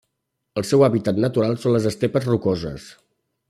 El seu hàbitat natural són les estepes rocoses.